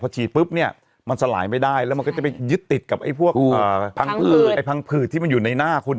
ฉีดปุ๊บเนี่ยมันสลายไม่ได้แล้วมันก็จะไปยึดติดกับไอ้พวกพังผืดที่มันอยู่ในหน้าคุณ